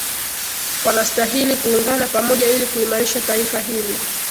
wanastahili kuungana pamoja ili kuimarisha taifa hili